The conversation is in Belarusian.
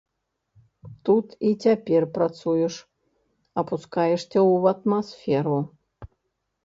Тут і цяпер працуеш, апускаешся ў атмасферу.